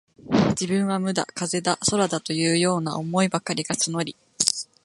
自分は無だ、風だ、空だ、というような思いばかりが募り、